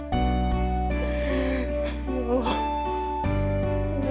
kitas setelah kejadian